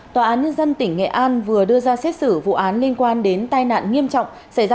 tòa án nhân dân tỉnh nghệ an vừa đưa ra xét xử vụ án liên quan đến tai nạn nghiêm trọng xảy ra